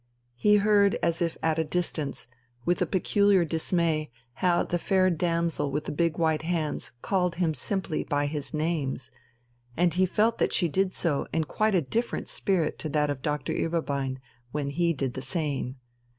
He heard as if at a distance, with a peculiar dismay, how the fair damsel with the big white hands called him simply by his names and he felt that she did so in quite a different spirit to that of Doctor Ueberbein when he did the same.